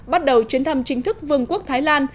bắt đầu chuyến thăm chính thức vương quốc thái lan